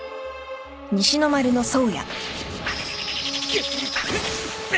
くっ！